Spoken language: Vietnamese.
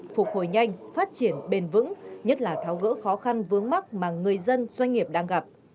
phục hồi nhanh phát triển bền vững nhất là tháo gỡ khó khăn vướng mắt mà người dân doanh nghiệp đang gặp